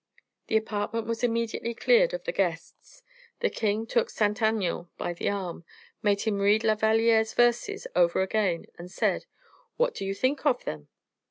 The apartment was immediately cleared of the guests. The king took Saint Aignan by the arm, made him read La Valliere's verses over again, and said, "What do you think of them?"